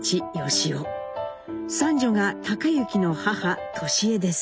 三女が隆之の母智江です。